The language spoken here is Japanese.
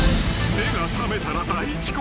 ［目が覚めたら大遅刻。